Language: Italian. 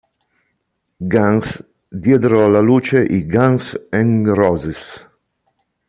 Guns, diedero alla luce i Guns N' Roses.